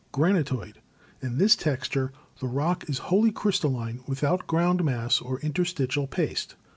Granitoid. — In this texture the rock is wholly crystalline, without ground mass or interstitial paste.